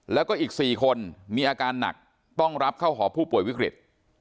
แล้วก็อีก๔คนมีอาการหนักต้องรับเข้าหอผู้ป่วยวิกฤต